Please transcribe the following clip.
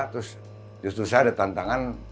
terus justru saya ada tantangan